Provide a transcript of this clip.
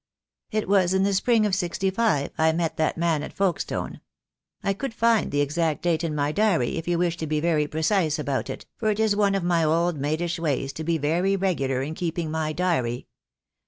"It was in the spring of '65 I met that man at Folke stone. I could find the exact date in my diary if you wished to be very precise about it, for it is one of my old maidish ways to be very regular in keeping my diary.